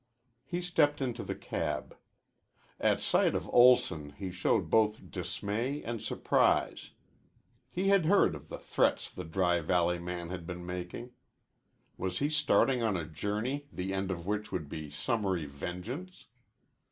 He stepped into the cab. At sight of Olson he showed both dismay and surprise. He had heard of the threats the Dry Valley man had been making. Was he starting on a journey the end of which would be summary vengeance?